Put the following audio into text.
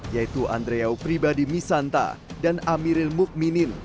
yaitu andreau pribadi misanta dan amiril mukminin